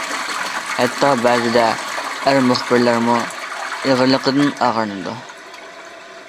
ھەتتا بەزىدە ئەر مۇخبىرلارمۇ ئېغىرلىقىدىن ئاغرىنىدۇ.